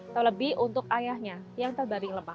terlebih untuk ayahnya yang terbaring lemah